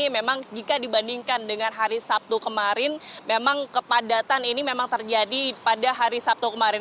memang jika dibandingkan dengan hari sabtu kemarin memang kepadatan ini memang terjadi pada hari sabtu kemarin